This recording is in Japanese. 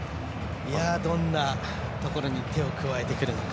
どんなところに手を加えてくるのか。